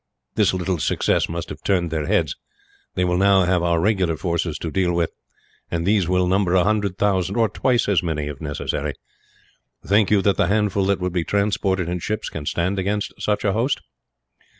This little success must have turned their heads. They will now have our regular forces to deal with, and these will number a hundred thousand or twice as many, if necessary. Think you that the handful that would be transported in ships can stand against such a host?"